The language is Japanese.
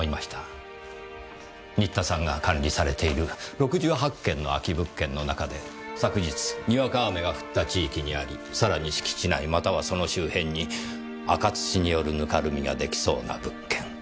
新田さんが管理されている６８件の空き物件の中で昨日にわか雨が降った地域にありさらに敷地内またはその周辺に赤土によるぬかるみが出来そうな物件。